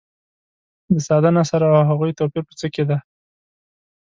د ساده نثر او هغوي توپیر په څه کې دي.